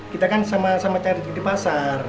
kita kan sama sama cari di pasar